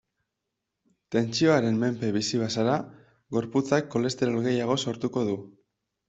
Tentsioaren menpe bizi bazara, gorputzak kolesterol gehiago sortuko du.